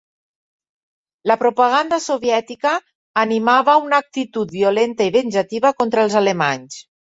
La propaganda soviètica animava una actitud violenta i venjativa contra els alemanys.